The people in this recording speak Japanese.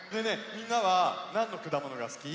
みんなはなんのくだものがすき？